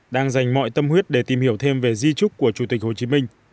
đang dành mọi tâm huyết để tìm hiểu thêm về di trúc của chủ tịch hồ chí minh